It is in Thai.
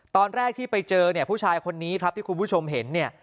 ตอนแรกที่ไปเจอเนี่ยผู้ชายคนนี้ครับที่คุณผู้ชมเห็นเนี่ย